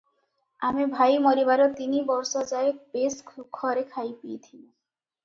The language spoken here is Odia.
ଆମେ ଭାଇ ମରିବାର ତିନିବର୍ଷ ଯାଏ ବେଶ୍ ସୁଖରେ ଖାଇପିଇ ଥିଲୁଁ ।